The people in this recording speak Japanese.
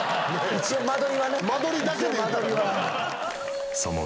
一応間取りは。